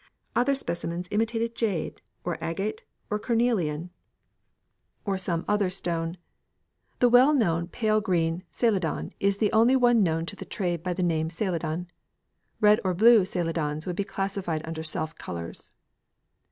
Other specimens imitated jade or agate or cornelian or some other stone. The well known pale green Celadon is the only one known to the trade by the name Celadon. Red or blue Celadons would be classed under self colours.